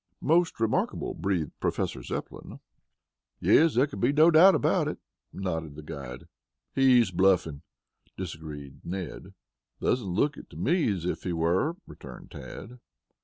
"Most remarkable," breathed Professor Zepplin. "Yes, there can be no doubt about it," nodded the guide. "He's bluffing," disagreed Ned. "Doesn't look to me as if he were," returned Tad.